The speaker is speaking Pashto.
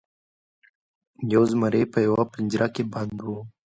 یو زمری په یوه پنجره کې بند و.